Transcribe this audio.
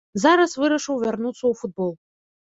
Зараз вырашыў вярнуцца ў футбол.